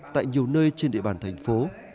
tại nhiều nơi trên địa bàn thành phố